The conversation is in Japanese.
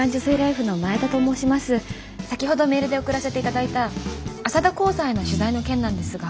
先ほどメールで送らせて頂いた浅田航さんへの取材の件なんですが。